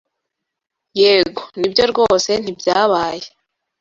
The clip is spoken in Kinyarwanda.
Yego, nibyo rwose ntibyabaye.